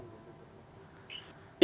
yang jelas yang sebetulnya yang jelas